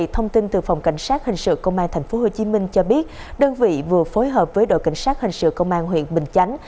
thông tin từ phòng cảnh sát hình sự công an tp hcm cho biết đơn vị vừa phối hợp với đội cảnh sát hình sự công an huyện bình chánh